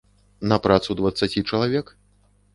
На працу дваццаці чалавек?